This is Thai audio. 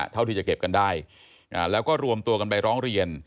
เท่าที่จะเก็บกันได้แล้วก็รวมตัวกันไปร้องเรียน